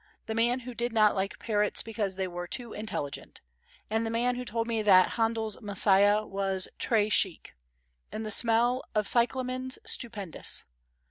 The man who did not like parrots because they were too intelligent. And the man who told me that Handel's Messiah was "très chic," and the smell of the cyclamens "stupendous."